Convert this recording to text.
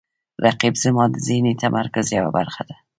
رقیب زما د ذهني تمرکز یوه برخه ده